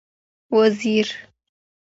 وزیر